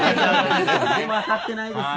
でも当たっていないですね。